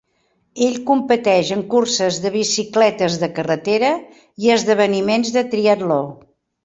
Ell competeix en curses de bicicletes de carretera i esdeveniments de triatló.